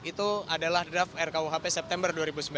itu adalah draft rkuhp september dua ribu sembilan belas